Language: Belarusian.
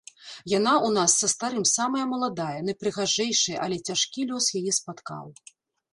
Яна ў нас са старым самая маладая, найпрыгажэйшая, але цяжкі лёс яе спаткаў.